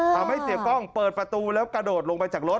เสียกล้องเปิดประตูแล้วกระโดดลงไปจากรถ